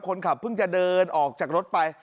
คนขับเพิ่งจะเดินออกจากรถไป